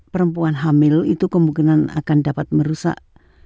perempuan hamil itu kemungkinan akan dapat merusak